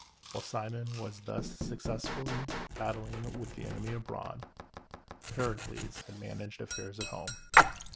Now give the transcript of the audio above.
While Cimon was thus successfully battling with the enemy abroad, Pericles had managed affairs at home.